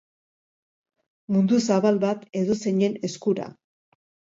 Mundu zabal bat edozeinen eskura.